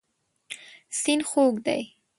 سیند خوږ دی.